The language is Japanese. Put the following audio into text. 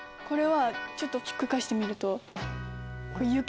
これはちょっとひっくり返してみると。